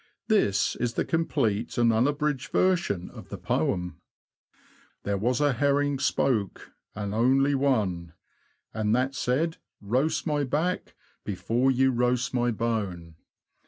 This is the complete and unabridged version of the poem :— There was a herring spoke, And only one, And that said :" Roast my back Before you roast my bone."